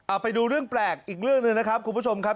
เอาไปดูเรื่องแปลกอีกเรื่องหนึ่งนะครับคุณผู้ชมครับ